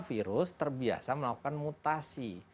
virus terbiasa melakukan mutasi